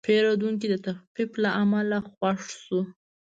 پیرودونکی د تخفیف له امله خوښ شو.